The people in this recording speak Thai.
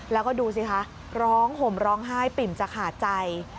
แล้วก็ดูสิคะร้องห่มร้องไห้ปิ่มจะขาดใจ